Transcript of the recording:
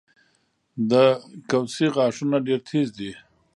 د کوسې غاښونه ډیر تېز دي